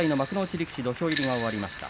力士土俵入りが終わりました。